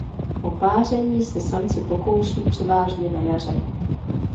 O páření se samci pokouší převážně na jaře.